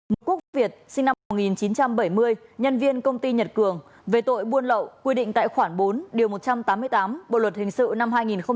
ngô quốc việt sinh năm một nghìn chín trăm bảy mươi nhân viên công ty nhật cường về tội buôn lậu quy định tại khoản bốn điều một trăm tám mươi tám bộ luật hình sự năm hai nghìn một mươi năm